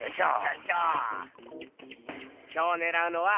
今日ねらうのは！